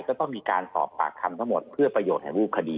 ก็ต้องมีการสอบปากคำทั้งหมดเพื่อประโยชน์แห่งรูปคดี